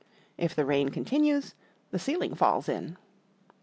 If the rain continues, the ceiling falls in.